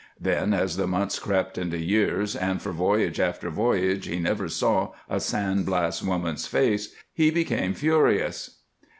Then, as the months crept into years, and for voyage after voyage he never saw a San Blas woman's face, he became furious.